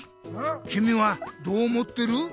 きみはどう思ってる？